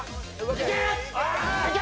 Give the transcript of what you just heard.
いけ！